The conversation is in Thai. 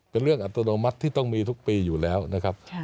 เป็นเรื่องอัตโนมัติที่ต้องมีทุกปีอยู่แล้วนะครับ